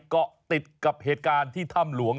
เกาะติดกับเหตุการณ์ที่ถ้ำหลวง